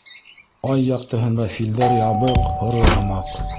Ай яҡтыһында филдәр ябыҡ, һоро һымаҡ.